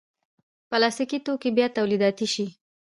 پلاستيکي توکي بیا تولیدېدای شي.